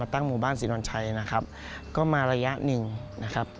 ตั้งหมู่บ้านศรีนอนชัยนะครับก็มาระยะหนึ่งนะครับ